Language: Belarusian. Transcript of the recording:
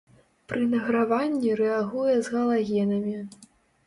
Пры награванні рэагуе з галагенамі.